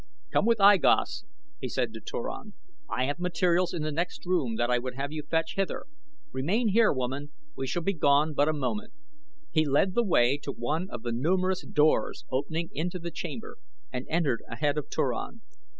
"Come with I Gos," he said to Turan. "I have materials in the next room that I would have you fetch hither. Remain here, woman, we shall be gone but a moment." He led the way to one of the numerous doors opening into the chamber and entered ahead of Turan.